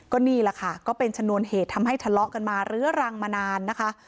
ก็นี่แหละค่ะก็เป็นชนวนเหตุทำให้ทะเลาะกันมาเรื้อรังมานานนะคะ